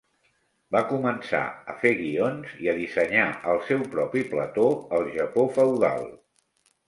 Va començar a fer guions i a dissenyar el seu propi plató al Japó feudal.